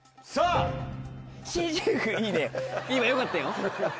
今よかったよ。